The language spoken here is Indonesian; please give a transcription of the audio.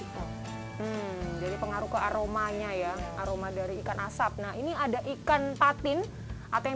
itu jadi pengaruh ke aromanya ya aroma dari ikan asap nah ini ada ikan patin atau yang